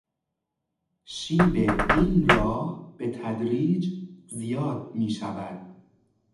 شیب این راه به تدریج زیاد میشود.